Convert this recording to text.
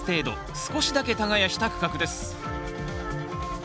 少しだけ耕した区画です。